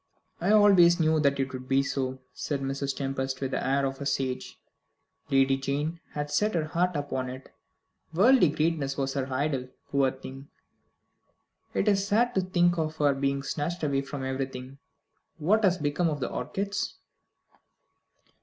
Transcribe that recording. "I always knew that it would be so," said Mrs. Tempest, with the air of a sage. "Lady Jane had set her heart upon it. Worldly greatness was her idol, poor thing! It is sad to think of her being snatched away from everything. What has become of the orchids?"